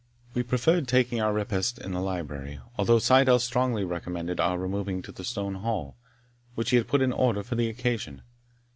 We preferred taking our repast in the library, although Syddall strongly recommended our removing to the stone hall, which he had put in order for the occasion.